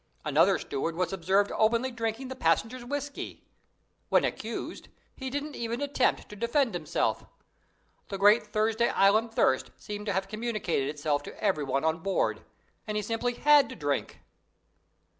Another steward was observed openly drinking the passengers' whisky. When accused, he didn't even attempt to defend himself; the great Thursday Island thirst seemed to have communicated itself to everyone on board, and he simply had to drink.